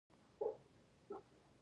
د وفاداری پیغامونه تیمورشاه ته ورسېدل.